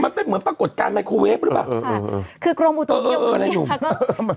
มันเป็นเหมือนปรากฏการณ์ไมโครเวฟหรือเปล่าคือกรมอุตุเอออะไรอยู่